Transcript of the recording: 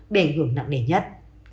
bị ảnh hưởng nặng nề nhất